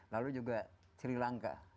lalu juga sri lanka